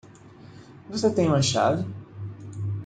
Você tem uma chave?